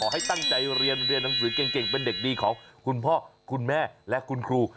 ให้ตั้งใจเรียนเรียนหนังสือเก่งเป็นเด็กดีของคุณพ่อคุณแม่และคุณครู